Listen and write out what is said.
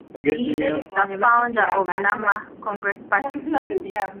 He is the founder of Namma Congress Party.